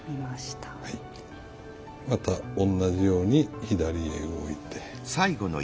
また同じように左へ動いて。